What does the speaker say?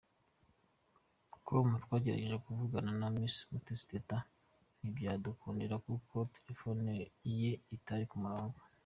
com twagerageje kuvugana na Miss Umutesi Teta ntibyadukundira kuko terefone ye itari ku murongo.